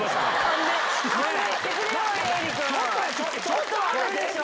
ちょっとはあるでしょ！